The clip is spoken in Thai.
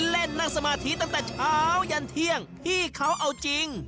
เล่นนั่งสมาธิตั้งแต่เช้ายันเที่ยงพี่เขาเอาจริง